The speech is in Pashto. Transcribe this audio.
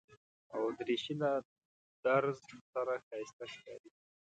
دریشي له درز سره ښایسته ښکاري.